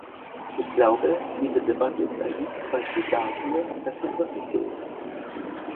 Ich glaube, diese Debatte ist ein gutes Beispiel dafür, dass dem wirklich so ist.